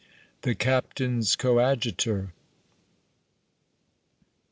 THE CAPTAIN'S COADJUTOR.